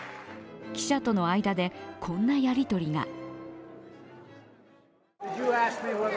記者との間でこんなやり取りが。